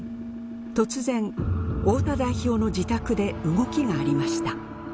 突然太田代表の自宅で動きがありました。